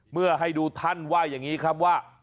เมื่อให้ดูท่านว่าอย่างนี้ครับว่า